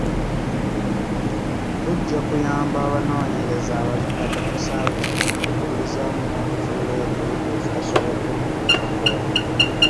Kujja kuyamba abanoonyereza abaliddako mu kisaawe kino okukujjulizaamu n'okuzuula ebyo bye tutasobodde kutuukako.